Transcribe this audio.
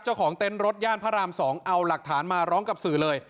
เต็นต์รถย่านพระราม๒เอาหลักฐานมาร้องกับสื่อเลย